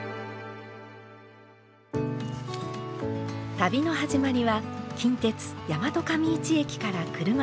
旅の始まりは近鉄大和上市駅から車で３０分。